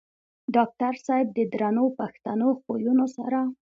ډاکټر صېب د درنو پښتنو خويونو سره